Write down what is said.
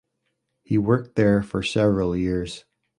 He worked there for several years.